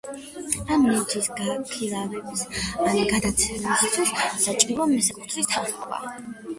ამ ნივთის გაქირავების ან გადაცემისთვის საჭიროა მესაკუთრის თანხმობა.